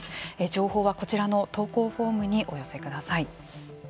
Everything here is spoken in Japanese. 情報はこちらの投稿フォームにお寄せください。